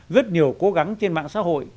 rất nhiều cố gắng trên mạng xã hội